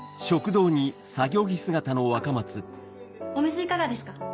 あっお水いかがですか？